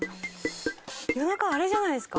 夜中あれじゃないですか？